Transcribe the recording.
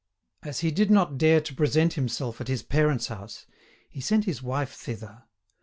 As he did not dare to present himself at his parents' house, he sent his wife thither.